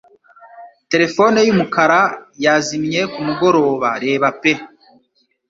Terefone yumukara yazimye kumugoroba reba pe